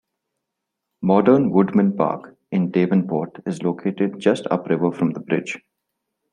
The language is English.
Modern Woodmen Park in Davenport is located just upriver from the bridge.